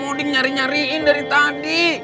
oding nyari nyariin dari tadi